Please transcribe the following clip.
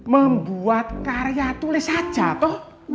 membuat karya tulis saja toh